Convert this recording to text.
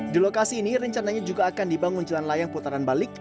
di lokasi ini rencananya juga akan dibangun jalan layang putaran balik